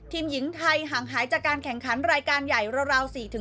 ทีมหญิงไทยห่างหายจากการแข่งขันรายการใหญ่ราว๔๕